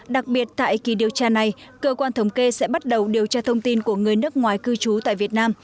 đặc biệt tại kỳ điều tra này cơ quan thống kê sẽ bắt đầu điều tra thông tin của người nước ngoài cư trú tại việt nam